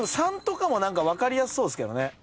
３とかも何か分かりやすそうですけどね。